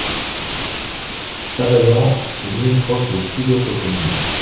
Sabaillan est limitrophe de six autres communes.